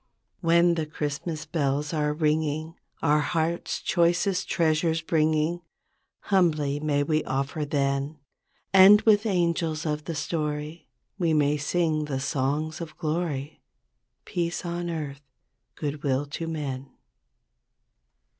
13 "When the Christmas bells are ringing Our hearts' choicest treasures bringing, Humbly may we offer then, And with angels of the story We may sing the songs of glory, Teace on earth, good will to men.'